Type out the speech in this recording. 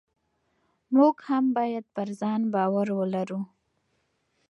موږ هم باید پر ځان باور ولرو.